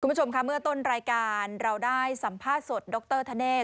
คุณผู้ชมค่ะเมื่อต้นรายการเราได้สัมภาษณ์สดดรธเนธ